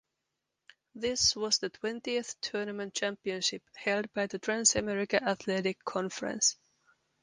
This was the twentieth tournament championship held by the Trans America Athletic Conference.